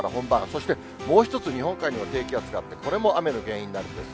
そしてもう一つ日本海には低気圧があって、これも雨の原因になるんです。